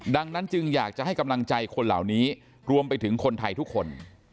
ดังนั้นจึงอยากจะให้กำลังใจคนเหล่านี้รวมไปถึงคนไทยทุกคน